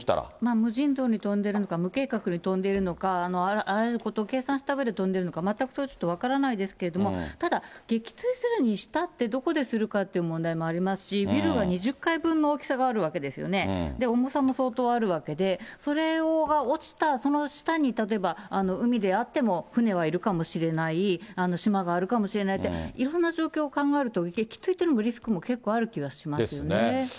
無尽蔵に飛んでるのか、無計画に飛んでるのか、あらゆることを計算したうえで飛んでいるのか、全くそれはちょっと分からないですけれども、ただ撃墜するにしたって、どこでするかという問題もありますし、ビルの２０階分ぐらいの重さも相当あるわけで、それが落ちたその下に例えば海であっても船はいるかもしれない、島があるかもしれないって、いろんな状況を考えると、撃墜というリスクも結構ある気がしますよね。